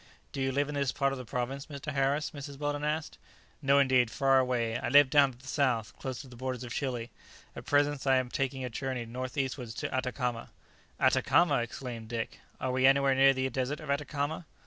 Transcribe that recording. "Do you live in this part of the province, Mr. Harris?" Mrs. Weldon asked. "No, indeed; far away; I live down to the south, close to the borders of Chili. At present I am taking a journey north eastwards to Atacama." "Atacama!" exclaimed Dick; "are we anywhere near the desert of Atacama?"